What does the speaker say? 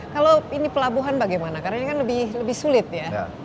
kalau ini pelabuhan bagaimana karena ini kan lebih sulit ya